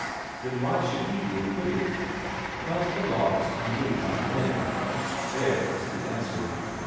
Then why should he be acquitted? Because the laws are made by men. There is the answer.